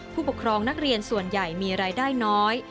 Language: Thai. ผู้ปกครองนักเรียนส่วนใหญ่มีรายได้น้อย